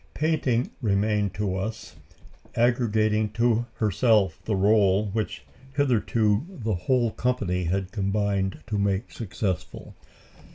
Painting remained to us, arrogating to herself the rôle which hitherto the whole company had combined to make successful.